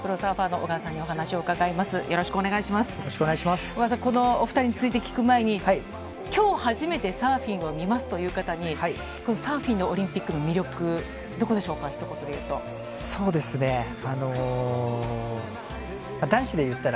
小川さん、このお２人について聞く前に、きょう初めてサーフィンを見ますという方に、サーフィンのオリンピックの魅力、どこでしょうか、そうですね、男子でいったら、